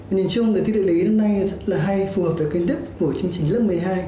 nhìn chung đề thi địa lý hôm nay rất là hay phù hợp với kiến thức của chương trình lớp một mươi hai